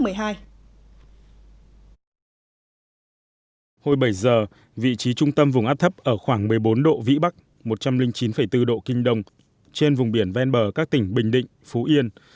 hồi bảy giờ vị trí trung tâm vùng áp thấp ở khoảng một mươi bốn độ vĩ bắc một trăm linh chín bốn độ kinh đông trên vùng biển ven bờ các tỉnh bình định phú yên